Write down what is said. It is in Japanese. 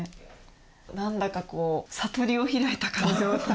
何だかこう悟りを開いたかのような。